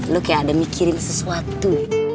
lu kayak ada mikirin sesuatu